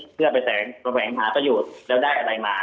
เพื่อไปแสดงประแผนภาพประโยชน์แล้วได้อะไรมา